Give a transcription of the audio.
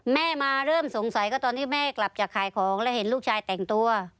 แม่มาเริ่มสงสัยก็ตอนที่แม่กลับจากขายของแล้วเห็นลูกชายแต่งตัว